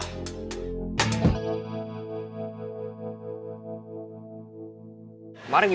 di nutsuk sialanya